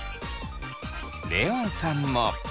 レオンさんも。